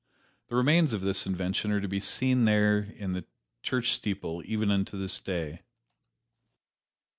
The remains of this invention are to be seen there in the church steeple even unto this day.